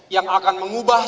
yang akan mengubah